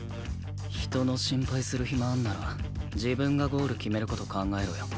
人の心配する暇あんなら自分がゴール決める事考えろよ。